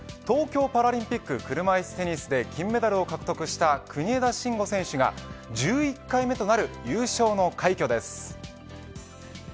東京パラリンピックの車いすテニスで金メダルを獲得した国枝慎吾選手が１１回目となる優勝の快挙です。